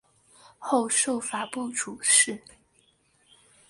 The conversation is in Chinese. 后授法部主事。